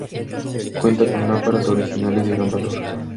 Cuenta con lámparas originales de gran valor.